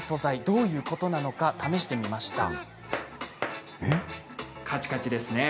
どういうことなのか試してみました。